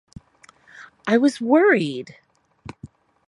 I was worried.